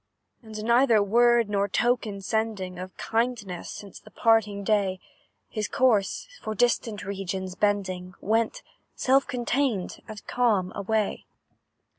"And neither word nor token sending, Of kindness, since the parting day, His course, for distant regions bending, Went, self contained and calm, away.